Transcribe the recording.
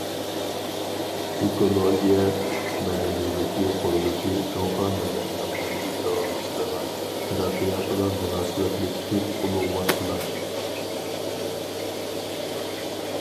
ئېكولوگىيە مەدەنىيلىكى قۇرۇلۇشى جۇڭخۇا مىللىتىنىڭ مەڭگۈ داۋاملىشىدىغان تەرەققىياتىغا مۇناسىۋەتلىك تۈپ ئۇلۇغۋار پىلان.